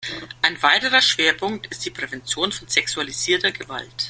Ein weiterer Schwerpunkt ist die Prävention von sexualisierter Gewalt.